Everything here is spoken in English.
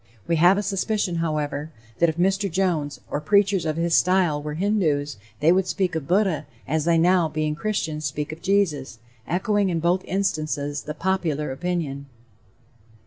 We have a suspicion, however, that if Mr. Jones, or preachers of his style, were Hindoos, they would speak of Buddha, as they now, being Christians, speak of Jesus echoing in both instances the popular opinion.